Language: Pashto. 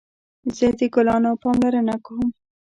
زه د ګلانو پاملرنه کوم